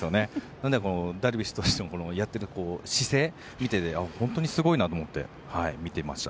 だからダルビッシュ投手のやっている姿勢を見て本当にすごいなと思って見てました。